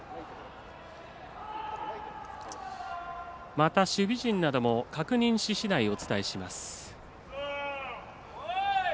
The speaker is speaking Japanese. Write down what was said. また守備陣なども確認し次第お伝えします。